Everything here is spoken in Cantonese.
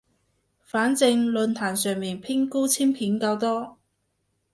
反正論壇上面偏高清片較多